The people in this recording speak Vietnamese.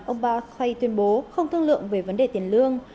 ông buckley tuyên bố không thương lượng về vấn đề tiền lương